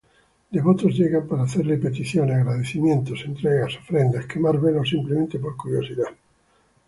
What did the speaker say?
Devotos llegan para hacerle peticiones, agradecimientos, entregar ofrendas, quemar velas o simplemente por curiosidad.